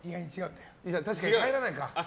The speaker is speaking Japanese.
確かに帰らないか。